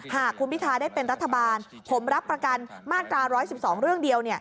หากคุณพิทาได้เป็นรัฐบาลผมรับประกันมาตรา๑๑๒เรื่องเดียว